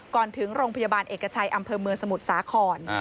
ถึงโรงพยาบาลเอกชัยอำเภอเมืองสมุทรสาคร